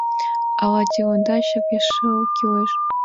Ала тыланда чыве шыл кӱлеш?